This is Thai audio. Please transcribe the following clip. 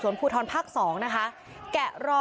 สวัสดีครับ